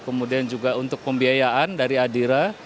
kemudian juga untuk pembiayaan dari adira